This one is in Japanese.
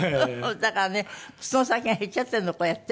だからね靴の先が減っちゃってるのこうやって。